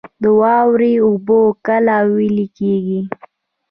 د واورې اوبه کله ویلی کیږي؟